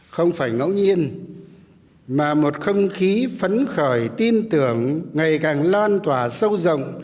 không phải ngẫu nhiên mà một không khí phấn khởi tin tưởng ngày càng lan tỏa sâu rộng